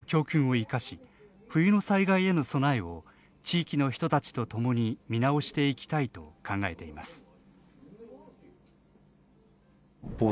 今回の教訓を生かし冬の災害への備えを地域の人たちとともに見直していきたいと考えています。